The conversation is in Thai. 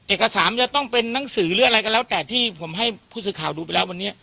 จะต้องเป็นหนังสือหรืออะไรก็แล้วแต่ที่ผมให้ผู้สื่อข่าวดูไปแล้ววันนี้